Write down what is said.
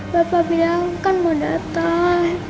bapak bilang kan mau datang